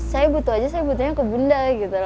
saya butuh aja ke bunda